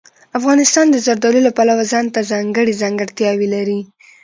افغانستان د زردالو له پلوه ځانته ځانګړې ځانګړتیاوې لري.